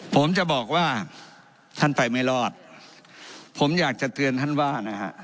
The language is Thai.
ผมจะบอกว่าท่านไปไม่รอดผมอยากจะเตือนท่านว่านะฮะ